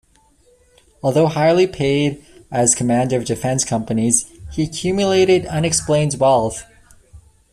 Although highly paid as Commander of Defense Companies, he accumulated unexplained wealth.